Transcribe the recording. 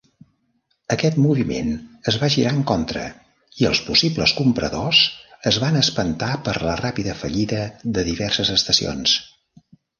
Aquest moviment es va girar en contra i els possibles compradors es van espantar per la ràpida fallida de diverses estacions.